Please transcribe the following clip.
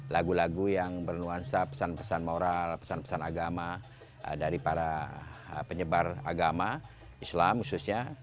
lagu lagu yang bernuansa pesan pesan moral pesan pesan agama dari para penyebar agama islam khususnya